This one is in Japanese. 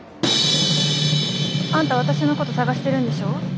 あんた私のこと捜してるんでしょ？